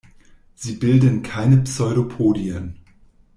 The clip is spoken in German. Sie bilden keine Pseudopodien.